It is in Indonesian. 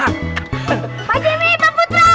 pak jimmy pak putra